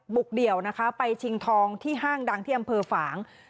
เดี่ยวนะคะไปชิงทองที่ห้างดังที่อำเภอฝาง